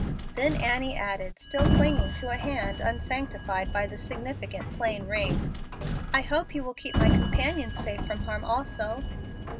Then Annie added, still clinging to a hand unsanctified by the significant plain ring, "I hope you will keep my companion safe from harm also."